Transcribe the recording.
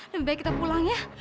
lebih baik kita pulang ya